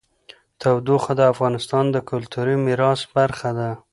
تودوخه د افغانستان د کلتوري میراث برخه ده.